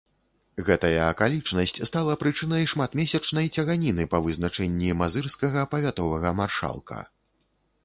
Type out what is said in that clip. Гэтая акалічнасць стала прычынай шматмесячнай цяганіны па вызначэнні мазырскага павятовага маршалка.